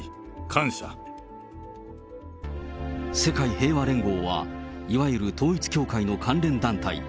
世界平和連合は、いわゆる統一教会の関連団体。